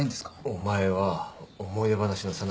お前は思い出話のさなかにまで。